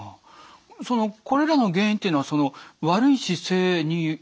そのこれらの原因っていうのは悪い姿勢によるものなんですか？